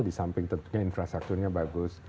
di samping tentunya infrastrukturnya bagus